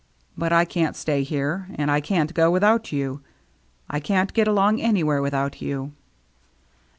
But I can't stay here, and I can't go without you. I can't get along anywhere without you."